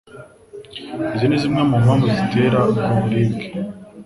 Izi ni zimwe mu mpamvu zitera ubwo buribwe